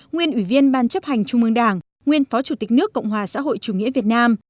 nguyên ủy viên ban chấp hành trung ương đảng nguyên phó chủ tịch nước cộng hòa xã hội chủ nghĩa việt nam